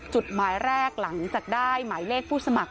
จุดหมายแรกหลังจากได้หมายเลขผู้สมัคร